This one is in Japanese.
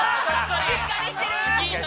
◆しっかりしてる。